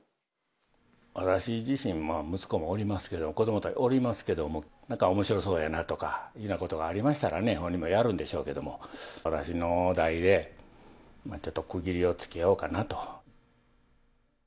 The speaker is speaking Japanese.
私自身、息子もおりますけれども、子どもおりますけれども、なんかおもしろそうやなということがありましたらね、本人もやるんでしょうけれども、私の代でちょっと区切りをつけようかなと。